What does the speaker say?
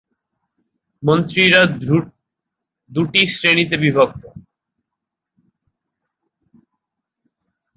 মন্ত্রীরা দুটি শ্রেণিতে বিভক্ত।